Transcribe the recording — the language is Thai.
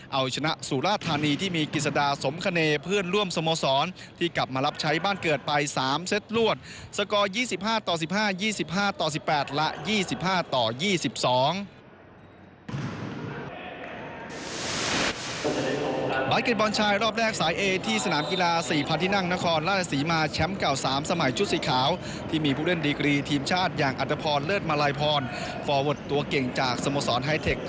เอาชนะกันดพรสิงหะบุภาและภิพงธนาชัยคู่ของสรบุรีที่ได้เงินไปถึง๓๐๓คะแนน